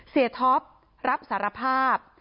เสียท็อปรับสารภาพ